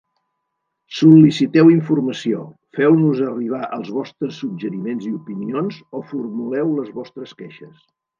Sol·liciteu informació, feu-nos arribar els vostres suggeriments i opinions o formuleu les vostres queixes...